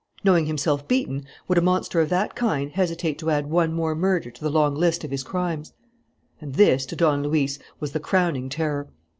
Knowing himself beaten, would a monster of that kind hesitate to add one more murder to the long list of his crimes? And this, to Don Luis, was the crowning terror.